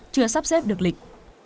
chưa sắp xếp được lịch